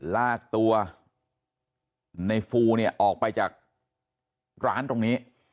ลากตัวในฟูเนี่ยออกไปจากร้านตรงนี้